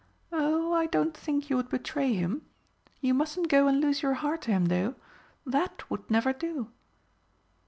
"Oh, I don't think you would betray him. You mustn't go and lose your heart to him, though. That would never do!"